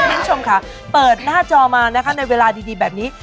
คุณผู้ชมค่ะเปิดหน้าจอมานะคะในเวลาดีแบบนี้